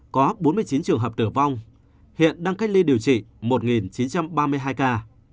có bốn mươi chín trường hợp tử vong hiện đang cách ly điều trị một chín trăm ba mươi hai ca